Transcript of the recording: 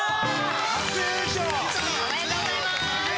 おめでとうございます！